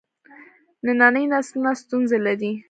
ننني نسلونه ستونزې لري.